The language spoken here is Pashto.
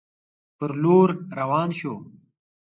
پر لور روان شو.